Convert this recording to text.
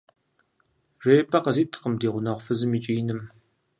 Жеипӏэ къызиткъым ди гъунэгъу фызым и кӏииным.